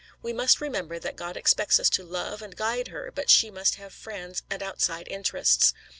We must remember that God expects us to love and guide her but she must have friends and outside interests."